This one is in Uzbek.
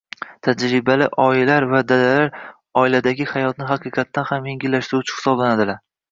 Tajribali oyilar va dadalar oiladagi hayotni haqiqatdan ham yengillashtiruvchi hisoblanadilar.